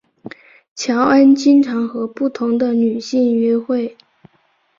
乔恩经常和不同的女性约会。